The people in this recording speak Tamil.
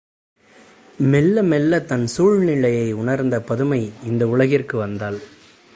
மெல்ல மெல்ல தன் சூழ்நிலையை உணர்ந்த பதுமை இந்த உலகிற்கு வந்தாள்.